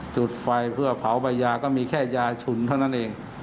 จุดไฟเพื่อเผาใบยาก็มีแค่ยาฉุนเท่านั้นเอง